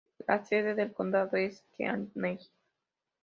La sede del condado es Kearney.